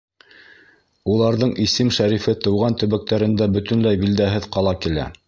Уларҙың исем-шәрифе тыуған төбәктәрендә бөтөнләй билдәһеҙ ҡала килә.